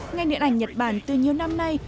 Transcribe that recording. ngành điện ảnh nhật bản từ nhiều năm nay